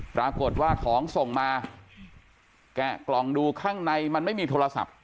ปรากฏว่าของส่งมาแกะกล่องดูข้างในมันไม่มีโทรศัพท์